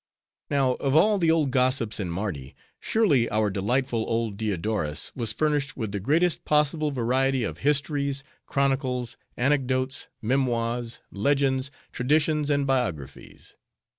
Now, of all the old gossips in Mardi, surely our delightful old Diodorus was furnished with the greatest possible variety of histories, chronicles, anecdotes, memoirs, legends, traditions, and biographies.